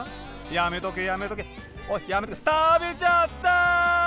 やめとけやめとけおいやめとけ食べちゃった！